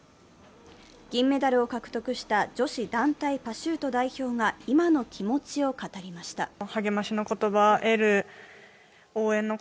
銀メダルを獲得した女子団体パシュート代表が今の気持ちを語りました。